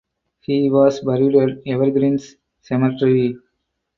He was buried at Evergreens Cemetery.